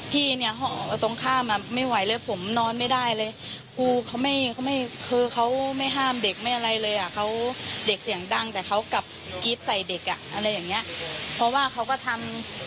พี่เนียะต้องข้าม